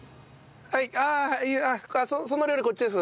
はいああその料理こっちです。